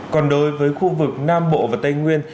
còn đối với khu vực nam bộ và tây nguyên